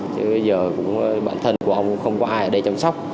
chứ bây giờ cũng bản thân của ông cũng không có ai ở đây chăm sóc